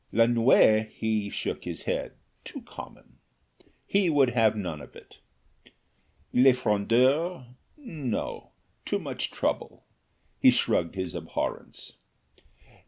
L'Ennuyé? he shook his head; too common; he would have none of it. Le Frondeur? no; too much trouble; he shrugged his abhorrence.